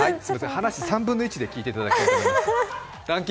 話、３分の１で聞いていただければと思います。